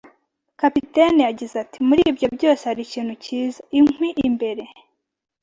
Kapiteni yagize ati: “Muri ibyo byose hari ikintu cyiza. “Inkwi imbere